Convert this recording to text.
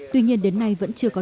tuy nhiên đến nay vẫn chưa có